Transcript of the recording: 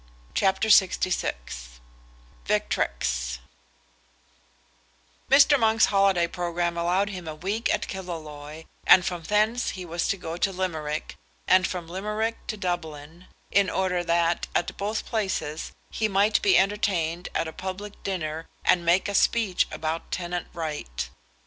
CHAPTER LXVI Victrix Mr. Monk's holiday programme allowed him a week at Killaloe, and from thence he was to go to Limerick, and from Limerick to Dublin, in order that, at both places, he might be entertained at a public dinner and make a speech about tenant right.